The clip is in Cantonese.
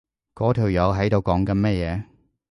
嗰條友喺度講緊乜嘢？